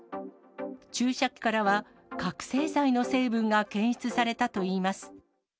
注射器からは、覚醒剤の成分が検出されたといいます。